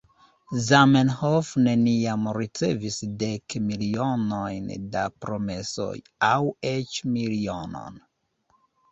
Zamenhof neniam ricevis dek milionojn da promesoj, aŭ eĉ milionon.